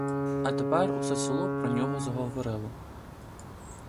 А тепер усе село про нього заговорило.